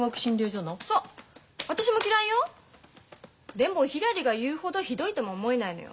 でもひらりが言うほどひどいとも思えないのよ。